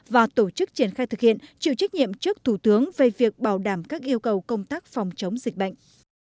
và tổ chức triển khai thực hiện chịu trách nhiệm trước thủ tướng về việc bảo đảm các yêu cầu công tác phòng chống dịch bệnh